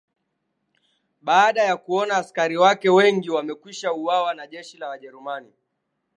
Baada ya kuona askari wake wengi wamekwisha uwawa na jeshi la wajerumani